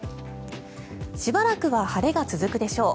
しばらくは晴れが続くでしょう。